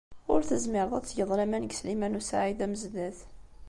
Ur tezmireḍ ad tgeḍ laman deg Sliman u Saɛid Amezdat.